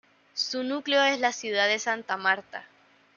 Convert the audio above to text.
Su núcleo es la ciudad de Santa Marta.